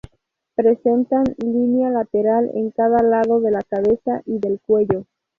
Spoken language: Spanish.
Presentan línea lateral en cada lado de la cabeza y del cuello.